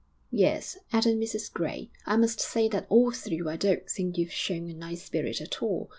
'Yes,' added Mrs Gray. 'I must say that all through I don't think you've shown a nice spirit at all.